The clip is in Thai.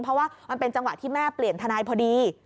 เพราะว่ามันเป็นจังหวะที่แม่เปลี่ยนทนายพอดี